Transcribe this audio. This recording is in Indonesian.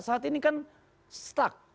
saat ini kan stuck